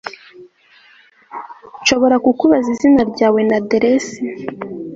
Nshobora kukubaza izina ryawe na aderesi